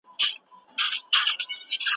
زه مسؤليت اخلم چې زده کړې وکړم.